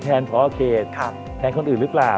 แทนพอร์โอเคทแทนคนอื่นหรือเปล่า